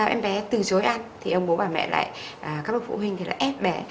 em bé từ chối ăn thì ông bố bà mẹ lại các bà phụ huynh lại ép bé